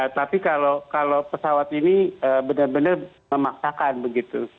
tapi kalau pesawat ini benar benar memaksakan begitu